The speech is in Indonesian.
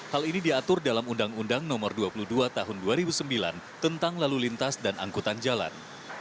hal ini diatur dalam undang undang no dua puluh dua tahun dua ribu sembilan tentang lalu lintas dan angkutan jalan